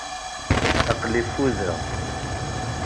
Aql-i ffudeɣ.